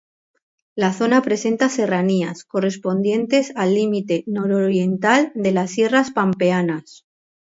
La zona presenta serranías, correspondientes al límite nororiental de las Sierras Pampeanas.